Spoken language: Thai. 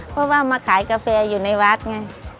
เพราะว่ามาขายกาแฟอยู่ในวัดไง